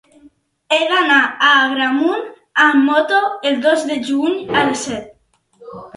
He d'anar a Agramunt amb moto el dos de juny a les set.